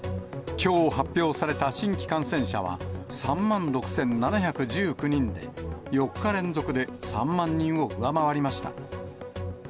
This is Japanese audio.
きょう発表された新規感染者は３万６７１９人で、４日連続で３万人を上回りました。